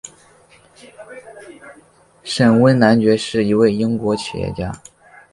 沈弼男爵是一位英国企业家。